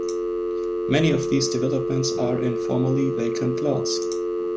Many of these developments are in formerly vacant lots.